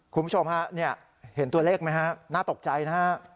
คุณผู้ชมค่ะนี่เห็นตัวเลขไหมคะน่าตกใจนะ